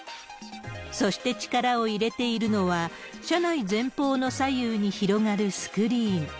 そして力を入れているのは、車内前方の左右に広がるスクリーン。